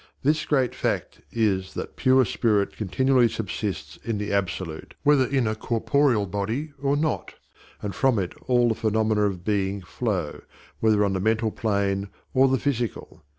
This great fact is that pure spirit continually subsists in the absolute, whether in a corporeal body or not; and from it all the phenomena of being flow, whether on the mental plane or the physical.